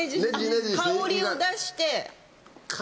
香りを出して。